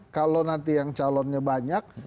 kalau nanti yang calonnya banyak